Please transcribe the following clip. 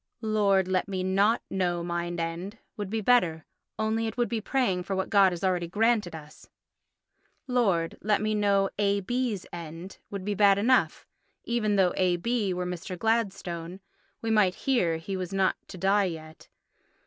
"Lord, let me not know mine end" would be better, only it would be praying for what God has already granted us. "Lord, let me know A.B.'s end" would be bad enough. Even though A.B. were Mr. Gladstone—we might hear he was not to die yet.